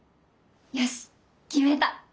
よし決めた。